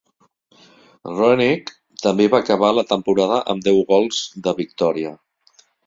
Roenick també va acabar la temporada amb deu gols de victòria.